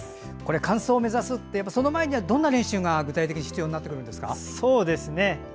完走を目指すってその前にはどんな練習が具体的に必要になってくるんですか。